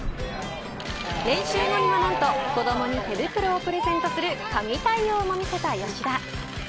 練習後には何と子どもに手袋をプレゼントする神対応も見せた吉田。